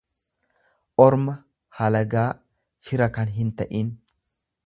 orma, halagaa, fira kan hinta'in.